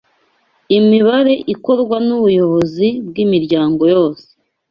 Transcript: Imibare ikorwa n'ubuyobozi bw'imiryango yose